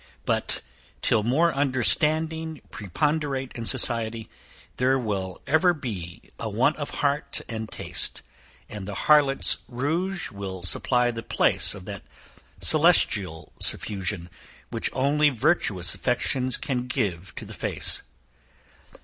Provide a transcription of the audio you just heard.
But, till more understanding preponderate in society, there will ever be a want of heart and taste, and the harlot's rouge will supply the place of that celestial suffusion which only virtuous affections can give to the face.